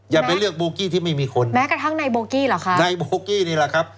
อย่าไปเลือกโบกี้ที่ไม่มีคนแม้กระทั่งในโบกี้เหรอคะในโบกี้นี่แหละครับ